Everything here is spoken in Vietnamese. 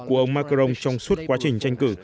của ông macron trong suốt quá trình tranh cử